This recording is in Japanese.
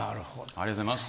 ありがとうございます。